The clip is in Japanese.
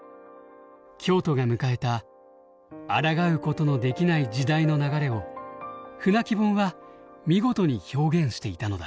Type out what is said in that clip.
京都が迎えたあらがうことのできない時代の流れを「舟木本」は見事に表現していたのだ。